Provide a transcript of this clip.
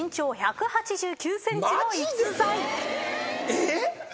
えっ？